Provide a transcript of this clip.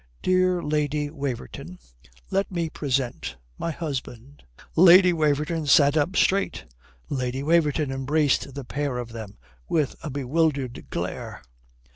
"Dear Lady Waverton, let me present my husband." Lady Waverton sat up straight. Lady Waverton embraced the pair of them with a bewildered glare.